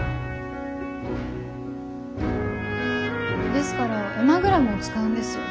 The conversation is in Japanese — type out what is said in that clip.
ですからエマグラムを使うんですよ。